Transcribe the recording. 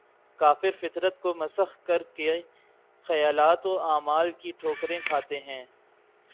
کافر فطرت کو مسخ کر کے خیالات و اعمال کی ٹھوکریں کھاتے ہیں